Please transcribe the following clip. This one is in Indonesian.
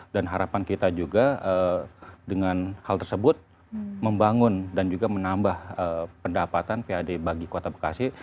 dan harapan kita juga dengan hal tersebut membangun dan juga menambah pendapatan pad bagi kota bekasi